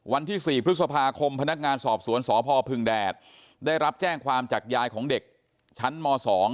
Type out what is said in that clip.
วันที่๔พฤษภาคมพนักงานสอบสวนสพพึงแดดได้รับแจ้งความจากยายของเด็กชั้นม๒